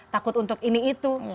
takut untuk ini itu